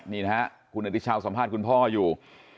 นี่นะฮะคุณอธิเช้าสัมภาษณ์คุณพ่ออยู่